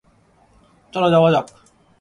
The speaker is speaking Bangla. চলো, যাওয়া যাক।